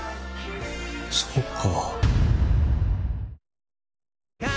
そっか。